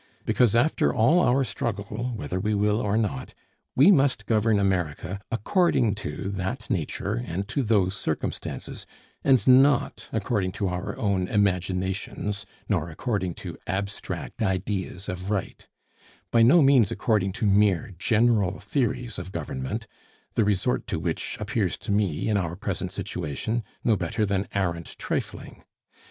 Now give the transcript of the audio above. Because after all our struggle, whether we will or not, we must govern America according to that nature and to those circumstances, and not according to our own imaginations nor according to abstract ideas of right; by no means according to mere general theories of government, the resort to which appears to me, in our present situation, no better than arrant trifling.